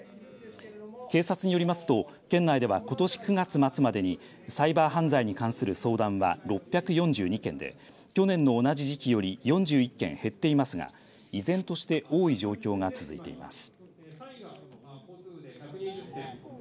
警察によりますと県内では、ことし９月末までにサイバー犯罪に関する相談は６４２件で去年の同じ時期より４１件減っていますが依然として多い状況が続いています。